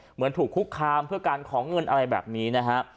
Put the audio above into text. เหมือนถูกคุกคามเพื่อการขอเงินอะไรแบบนี้นะฮะ